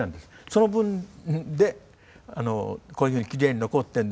そのぶんでこういうふうにきれいに残ってるんですが。